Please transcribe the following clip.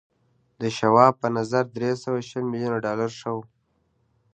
د شواب په نظر درې سوه شل ميليونه ډالر ښه و